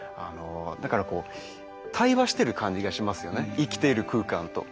だからこう対話してる感じがしますよね生きている空間と。